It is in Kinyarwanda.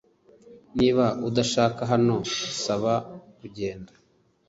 Niba udashaka hano saba kugenda